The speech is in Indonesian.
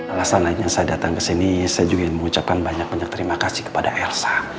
alasan lainnya saya datang ke sini saya juga ingin mengucapkan banyak banyak terima kasih kepada elsa